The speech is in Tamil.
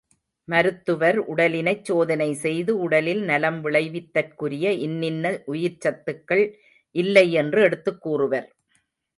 மருத்துவர் உடலினைச் சோதனை செய்து உடலில் நலம் விளைவித்தற்குரிய இன்னின்ன உயிர்ச்சத்துக்கள் இல்லை என்று எடுத்துக் கூறுவர்.